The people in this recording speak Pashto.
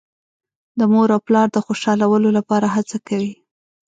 د مور او پلار د خوشحالولو لپاره هڅه کوي.